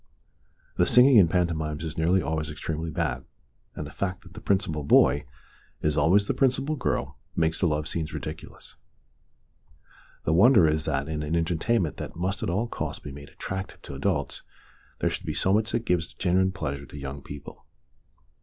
The singing in pantomimes is nearly always extremely bad, and the fact that the principal boy is always the principal girl makes the love scenes ridiculous. The wonder is that in an entertainment that 214 THE DAY BEFORE YESTERDAY must at all costs be made attractive to adults there should be so much that gives genuine pleasure to young people.